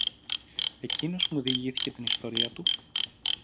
Εκείνος μου διηγήθηκε την ιστορία του